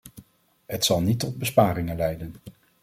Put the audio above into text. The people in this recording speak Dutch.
Het zal niet tot besparingen leiden.